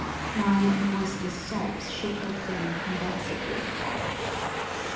Dry and voiceless sobs shook her frame convulsively.